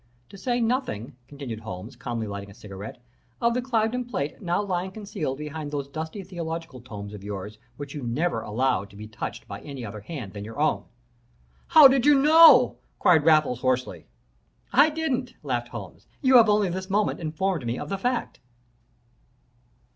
"'To say nothing,' continued Holmes, calmly lighting a cigarette, 'of the Cliveden plate now lying concealed behind those dusty theological tomes of yours which you never allow to be touched by any other hand than your own.' "'How did you know?' cried Raffles, hoarsely. "'I didn't,' laughed Holmes. 'You have only this moment informed me of the fact!'